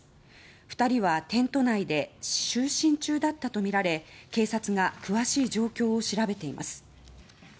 ２人はテント内で就寝中だったとみられ警察が詳しい状況を調べています。